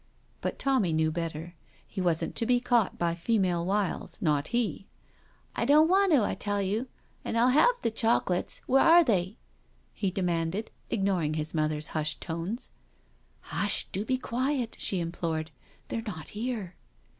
But Tonuny knew better. He wasn't to be caught by female wiles, not he. " I don' wan' to, I tell you. But I'll have the chocklets— where are they?" he de manded, ignoring his mother's hushed tones. "Hushl do be quiet," she implored, "they're not here."